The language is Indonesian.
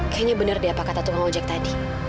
kayaknya benar deh apa kata tukang ojek tadi